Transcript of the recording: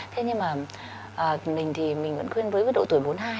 thế nhưng mà mình thì mình vẫn khuyên với độ tuổi bốn mươi hai